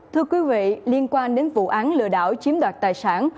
thưa quý vị liên quan đến vụ án lừa đảo chiếm đoạt tài sản